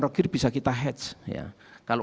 akhir bisa kita hedge kalau